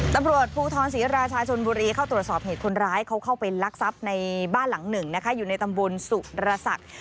ตำรวจภูทรศรีราชาชนบุรีเข้าตรวจสอบเหตุคนร้ายเขาเข้าไปลักทรัพย์ในบ้านหลังหนึ่งนะคะอยู่ในตำบลสุรศักดิ์